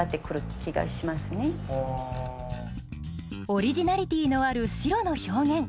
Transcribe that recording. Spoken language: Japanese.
オリジナリティーのある白の表現。